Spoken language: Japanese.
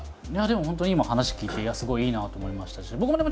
でも本当に今話聞いてすごいいいなと思いましたし僕もね